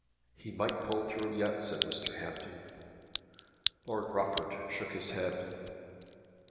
"He might pull through yet," said Mr. Hampton. Lord Rufford shook his head.